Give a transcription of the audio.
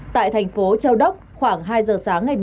tại thành phố châu đốc khoảng hai h sáng ngày chín tháng một mươi hai